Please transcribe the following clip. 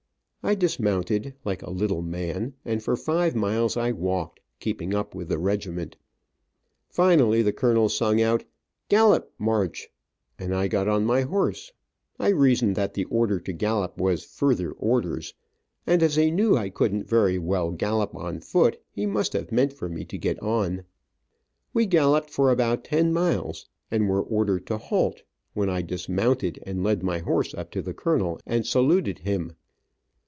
I dismounted, like a little man, and for five miles I walked, keeping up with the regiment. Finally the colonel sung out, "gallop, march," and I got on my horse. I reasoned that the order to gallop was "further orders," and that as he knew I couldn't very well gallop on foot he must have meant for me to get on. We galloped for about ten miles, and were ordered to halt, when I dismounted and led my horse up to the colonel, and saluted him.